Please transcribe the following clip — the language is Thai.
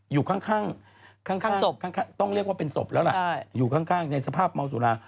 อยู่ข้างศพต้องเรียกว่าเป็นศพแล้วล่ะอยู่ข้างในสภาพเมาสุรา